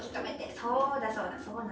そうだそうだ。